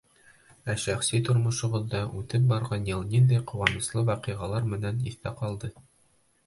— Ә шәхси тормошоғоҙҙа үтеп барған йыл ниндәй ҡыуаныслы ваҡиғалар менән иҫтә ҡалды?